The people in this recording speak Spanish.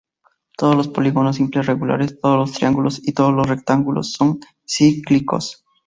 Todos los polígonos simples regulares, todos los triángulos y todos los rectángulos son cíclicos.